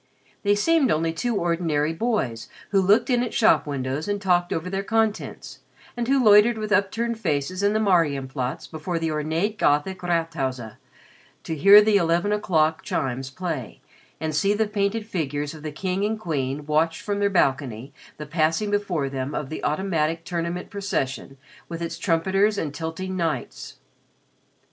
They seemed only two ordinary boys who looked in at shop windows and talked over their contents, and who loitered with upturned faces in the Marien Platz before the ornate Gothic Rathaus to hear the eleven o'clock chimes play and see the painted figures of the King and Queen watch from their balcony the passing before them of the automatic tournament procession with its trumpeters and tilting knights.